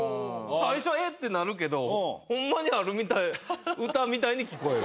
最初「えっ？」ってなるけどホンマにあるみたい歌みたいに聞こえる。